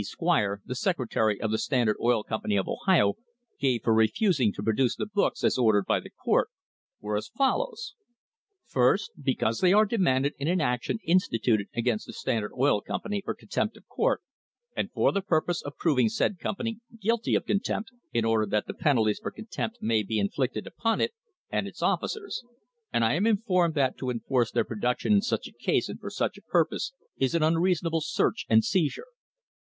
B. Squire, the secretary of the Standard Oil Company of Ohio, gave for refusing to produce the books as ordered by the court were as follows : 1st. Because they are demanded in an action instituted against the Standard Oil Company for contempt of court, and for the purpose of proving said company guilty of contempt in order that the penalties for contempt may be inflicted upon it and its officers; and I am informed that, to enforce their production in such a case and for such a purpose, is an unreasonable search and seizure.